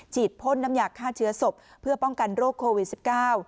พ่นน้ำยาฆ่าเชื้อศพเพื่อป้องกันโรคโควิดสิบเก้า